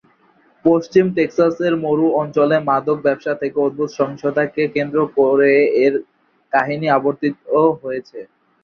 পশ্চিম টেক্সাসের মরু অঞ্চলে মাদক ব্যবসা থেকে উদ্ভূত সহিংসতাকে কেন্দ্র করে এর কাহিনী আবর্তিত হয়েছে।